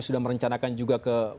sudah merencanakan juga ke